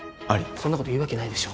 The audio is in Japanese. そんなこと言う訳ないでしょ。